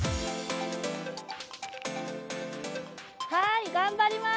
はい、頑張ります！